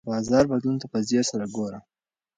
د بازار بدلون ته په ځیر سره ګوره.